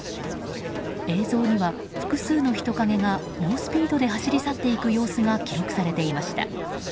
映像には、複数の人影が猛スピードで走り去っていく様子が記録されていました。